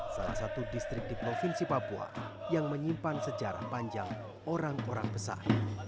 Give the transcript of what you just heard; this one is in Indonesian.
salah satu distrik di provinsi papua yang menyimpan sejarah panjang orang orang besar